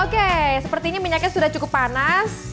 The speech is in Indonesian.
oke sepertinya minyaknya sudah cukup panas